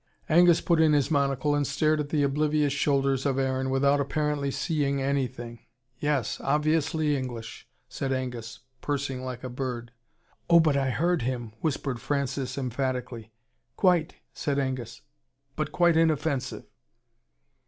Angus put in his monocle, and stared at the oblivious shoulders of Aaron, without apparently seeing anything. "Yes. Obviously English," said Angus, pursing like a bird. "Oh, but I heard him," whispered Francis emphatically. "Quite," said Angus. "But quite inoffensive."